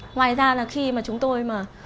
ngoài ra là khi mà chúng tôi mà